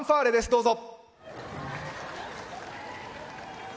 どうぞ。